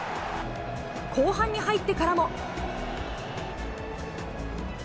後半に入ってからも。